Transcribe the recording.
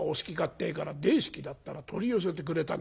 ってえから『大好きだ』ったら取り寄せてくれたんだ。